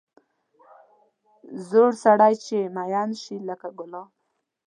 زوړ سړی چې مېن شي لکه ګلاب.